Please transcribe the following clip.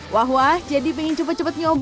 wah wah jadi pengen cepat cepat nyoba gak tuh